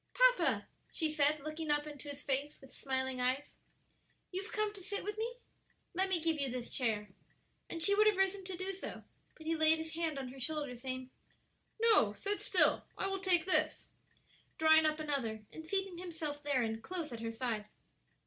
"Papa" she said, looking up into his face with smiling eyes, "you have come to sit with me? Let me give you this chair," and she would have risen to do so, but he laid his hand on her shoulder, saying, "No; sit still; I will take this," drawing up another and seating himself therein close at her side.